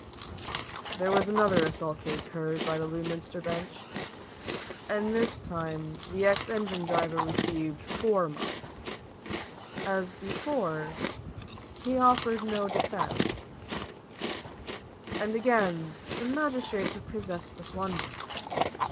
There was another assault case heard by the Lewminster bench; and this time the ex engine driver received four months. As before, he offered no defence: and again the magistrates were possessed with wonder.